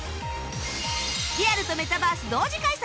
リアルとメタバース同時開催